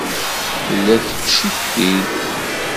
Tella tettcetki-d.